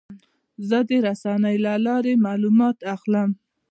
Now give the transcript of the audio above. زه د رسنیو له لارې معلومات اخلم.